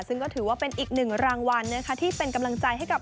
ซึ่งก็ถือว่าเป็นอีกหนึ่งรางวัลนะคะที่เป็นกำลังใจให้กับ